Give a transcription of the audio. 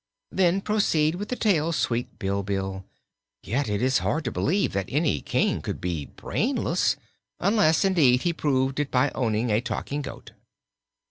"Then proceed with the tale, sweet Bilbil. Yet it is hard to believe that any King could be brainless unless, indeed, he proved it by owning a talking goat."